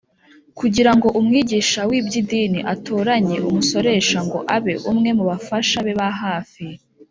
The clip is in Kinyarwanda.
kugira ngo umwigisha w’iby’idini atoranye umusoresha ngo abe umwe mu bafasha be ba hafi,